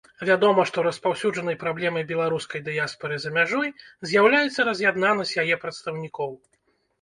Вядома, што распаўсюджанай праблемай беларускай дыяспары за мяжой з'яўляецца раз'яднанасць яе прадстаўнікоў.